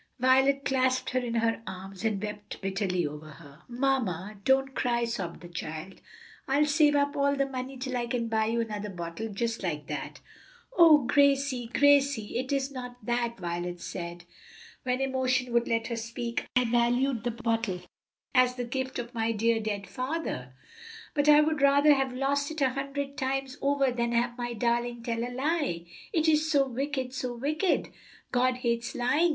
Violet clasped her in her arms and wept bitterly over her. "Mamma, don't cry," sobbed the child, "I'll save up all my money till I can buy you another bottle, just like that." "O Gracie, Gracie, it is not that!" Violet said, when emotion would let her speak. "I valued the bottle as the gift of my dear dead father, but I would rather have lost it a hundred times over than have my darling tell a lie. It is so wicked, so wicked! God hates lying.